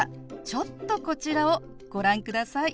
ちょっとこちらをご覧ください。